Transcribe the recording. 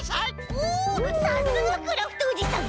おさすがクラフトおじさん。